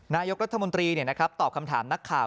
นายกรัฐมนตรีตอบคำถามนักข่าว